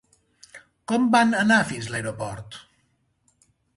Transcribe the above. Com van anar fins a l'aeroport?